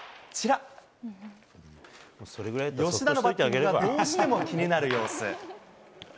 吉田のバッティングがどうしても気になる様子。